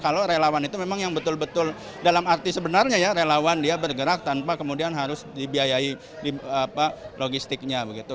kalau relawan itu memang yang betul betul dalam arti sebenarnya ya relawan dia bergerak tanpa kemudian harus dibiayai logistiknya begitu